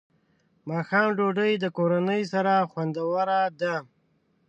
ماښام ډوډۍ د کورنۍ سره خوندوره ده.